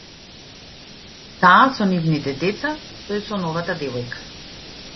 Таа со нивните деца, тој со новата девојка